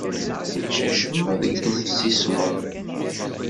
Ulac acemma deg yimsismeḍ.